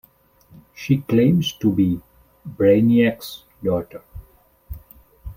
She claims to be Brainiac's daughter.